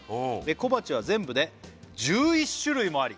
「小鉢は全部で１１種類もあり」